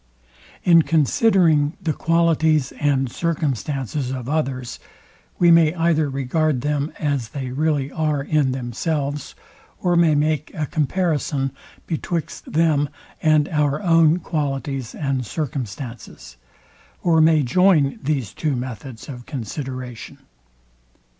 In considering the qualities and circumstances of others, we may either regard them as they really are in themselves; or may make a comparison betwixt them and our own qualities and circumstances; or may join these two methods of consideration.